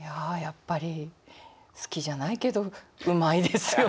やっぱり好きじゃないけどうまいですよね太宰。